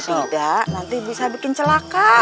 kalau tidak nanti bisa bikin celaka